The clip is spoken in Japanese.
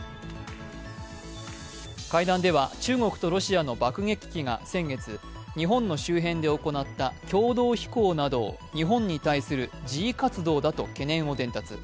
会談では中国とロシアの爆撃機が先月、日本の周辺で行った共同飛行など、日本に対する示威活動だと懸念を伝達。